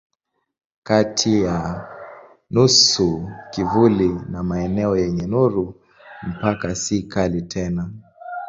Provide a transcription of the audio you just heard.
Kati ya nusu kivuli na maeneo yenye nuru mpaka si kali tena.